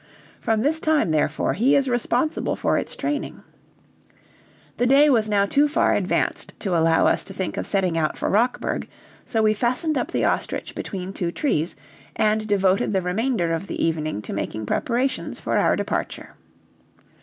From this time, therefore, he is responsible for its training." The day was now too far advanced to allow us to think of setting out for Rockburg, so we fastened up the ostrich between two trees, and devoted the remainder of the evening to making preparations for our departure.